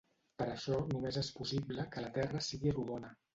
Per això, només és possible que la terra sigui rodona.